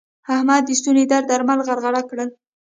احمد د ستوني درد درمل غرغړه کړل.